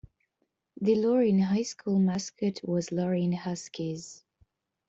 The Lorraine High School mascot was Lorraine Huskies.